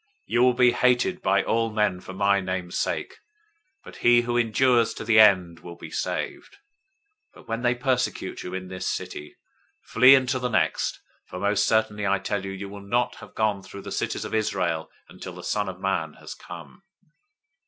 010:022 You will be hated by all men for my name's sake, but he who endures to the end will be saved. 010:023 But when they persecute you in this city, flee into the next, for most certainly I tell you, you will not have gone through the cities of Israel, until the Son of Man has come.